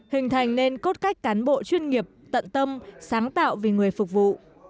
hình thành nên cốt cách cán bộ chuyên nghiệp tận tâm sáng tạo vì người phục vụ